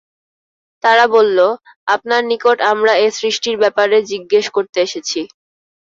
তারা বলল, আপনার নিকট আমরা এ সৃষ্টির ব্যাপারে জিজ্ঞেস করতে এসেছি।